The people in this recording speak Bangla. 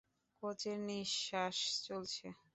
কোচের নিশ্বাস চলছে।